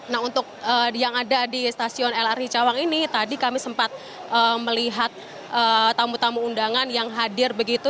nah untuk yang ada di stasiun lrt cawang ini tadi kami sempat melihat tamu tamu undangan yang hadir begitu